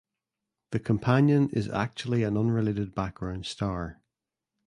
The companion is actually an unrelated background star.